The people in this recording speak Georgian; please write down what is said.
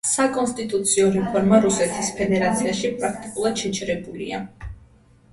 საკონსტიტუციო რეფორმა რუსეთის ფედერაციაში პრაქტიკულად შეჩერებულია.